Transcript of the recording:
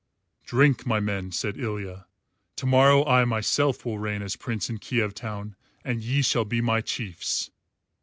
"Drink, my men," said Ilya. "To morrow I myself will reign as Prince in Kiev town, and ye shall be my chiefs."